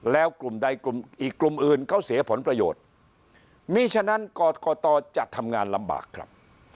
แล้วกลุ่มใดกลุ่มอีกกลุ่มอื่นเขาเสียผลประโยชน์มีฉะนั้นกรกตจะทำงานลำบากครับ